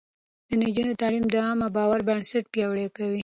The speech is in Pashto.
د نجونو تعليم د عامه باور بنسټ پياوړی کوي.